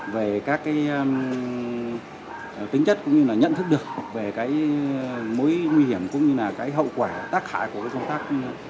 về các tính chất cũng như là nhận thức được về mối nguy hiểm cũng như là hậu quả tác hại của công tác